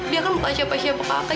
dia kan bukan siapa siapa kakek